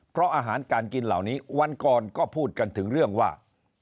เพราะอาหารการกินเหล่านี้วันก่อนก็พูดกันถึงเรื่องว่า